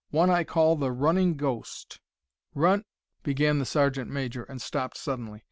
"One I call the Running Ghost." "Run—" began the sergeant major, and stopped suddenly.